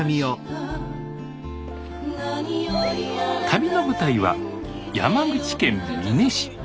旅の舞台は山口県美祢市。